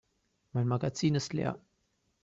Mein Magazin ist leer.